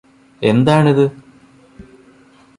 എന്താണിത്